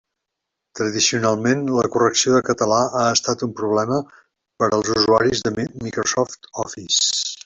Tradicionalment la correcció de català ha estat un problema per als usuaris de Microsoft Office.